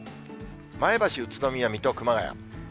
前橋、宇都宮、水戸、熊谷。